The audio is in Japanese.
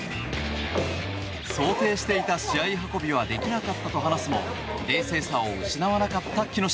想定していた試合運びはできなかったと話すも冷静さを失わなかった木下。